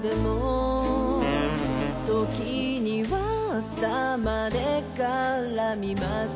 「時には朝まで絡みます」